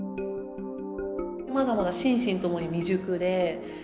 まだまだ心身共に未熟で。